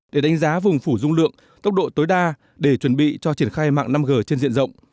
để đánh giá vùng phủ dung lượng tốc độ tối đa để chuẩn bị cho triển khai mạng năm g trên diện rộng